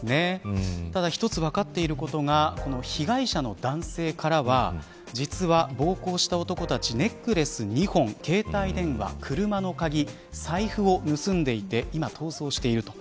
ただ一つ、分かっていることが被害者の男性からは実は、暴行した男たちからネックレス２本、携帯電話車の鍵、財布を盗んでいて今、逃走していると。